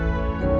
saya harus siap